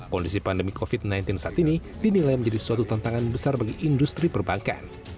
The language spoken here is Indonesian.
kondisi pandemi covid sembilan belas saat ini dinilai menjadi suatu tantangan besar bagi industri perbankan